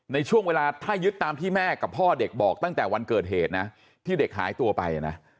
ในช่วงเวลาถ้ายึดตามที่แม่กับพ่อเด็กบอกตั้งแต่วันเกิดเหตุนะที่เด็กหายตัวไปนะ